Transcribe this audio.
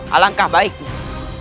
alangkah baik nih